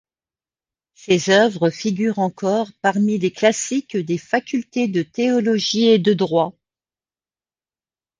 Ses œuvres figurent encore parmi les classiques des facultés de théologie et de droit.